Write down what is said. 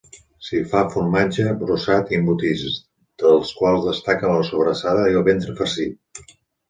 S'hi fa formatge, brossat i embotits, dels quals destaca la sobrassada i el ventre farcit.